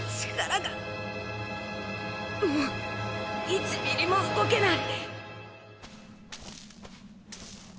もう１ミリも動けない。